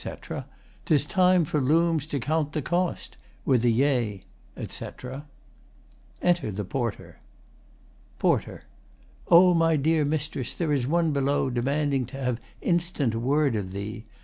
] 'Tis time for loons to count the cost, With a yea [etc.] [Enter the PORTER.] PORTER O my dear Mistress, there is one below Demanding to have instant word of thee.